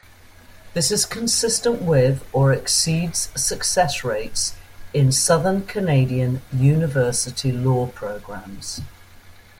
This is consistent with or exceeds success rates in southern Canadian university law programs.